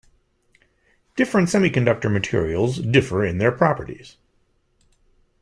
Different semiconductor materials differ in their properties.